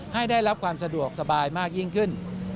ให้ได้รับความสะดวกสบายมากยิ่งขึ้น